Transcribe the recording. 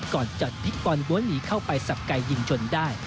ก่อนจดที่บอลว้วนหลีเข้าไปสับไกยยิงชนได้